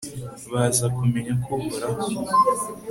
baza kumenya ko uhoraho